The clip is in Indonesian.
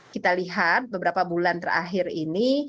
kita lihat beberapa bulan terakhir ini